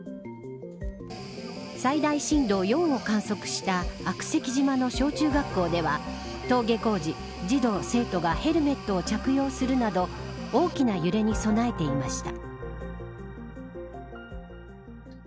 最大震度４を観測した悪石島の小中学校では登下校時、児童生徒がヘルメットを着用するなど大きな揺れに備えていました。